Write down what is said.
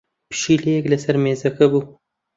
پشیلەیەک لەسەر مێزەکە بوو.